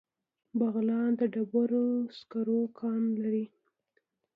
بغلان د ډبرو سکرو کان لري